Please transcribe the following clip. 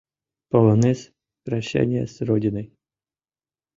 Полонез «Прощание с родиной».